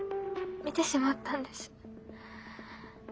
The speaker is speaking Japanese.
見てしまったんです。